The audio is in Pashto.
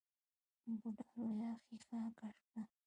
بوډا لويه ښېښه کش کړه.